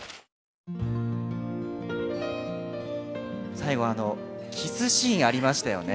最後あのキスシーンありましたよね。